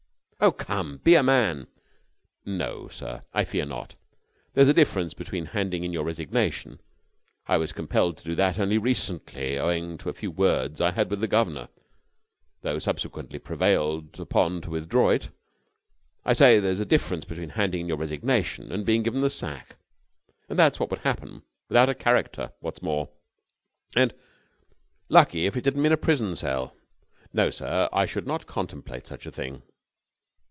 "Oh, come! Be a man!" "No, sir, I fear not. There's a difference between handing in your resignation I was compelled to do that only recently, owing to a few words I had with the guv'nor, though subsequently prevailed upon to withdraw it I say there's a difference between handing in your resignation and being given the sack, and that's what would happen without a character, what's more, and lucky if it didn't mean a prison cell. No, sir; I could not contemplate such a thing."